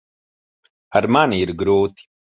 Ar mani ir grūti.